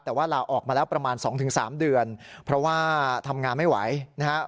แต่ว่าลาออกมาแล้วประมาณ๒๓เดือนเพราะว่าทำงานไม่ไหวนะครับ